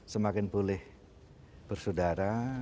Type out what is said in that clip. semakin boleh bersaudara